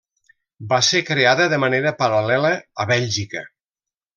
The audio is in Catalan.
Va ser creada de manera paral·lela a Bèlgica.